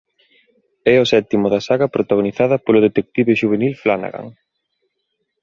É o sétimo da saga protagonizada polo detective xuvenil Flanagan.